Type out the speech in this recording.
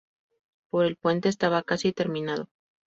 Por el puente estaba casi terminado.